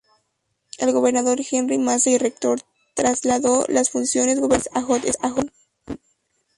El gobernador Henry Massey Rector traslado las funciones gubernamentales a Hot Springs.